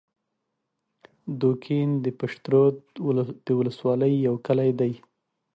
دوکین د پشترود د ولسوالۍ یو کلی دی